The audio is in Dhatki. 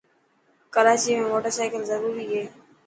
ڪراچي ۾ موٽر سائيڪل ضروري هي.